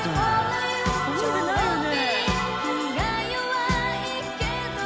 覚えてないよね。